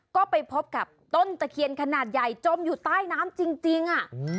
ก็ไปพบกับต้นตะเคียนขนาดใหญ่จมอยู่ใต้น้ำจริง